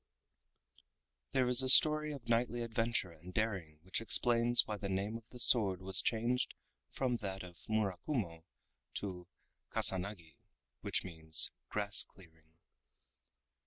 There is a story of knightly adventure and daring which explains why the name of the sword was changed from that of Murakumo to Kasanagi, which means grass clearing.